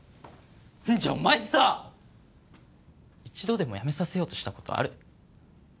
じゃあお前さ一度でもやめさせようとしたことある？